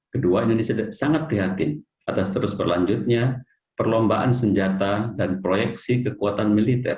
kedua indonesia sangat prihatin atas terus berlanjutnya perlombaan senjata dan proyeksi kekuatan militer